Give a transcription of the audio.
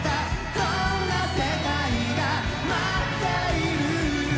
どんな世界が待っている」